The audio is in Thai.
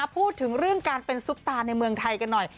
พูดถึงเรื่องการเป็นซุปตาในเมืองไทยกันหน่อย